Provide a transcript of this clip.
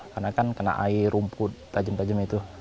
karena kan kena air rumput tajam tajam itu